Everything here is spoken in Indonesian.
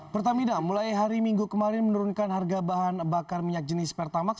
pertamina mulai hari minggu kemarin menurunkan harga bahan bakar minyak jenis pertamax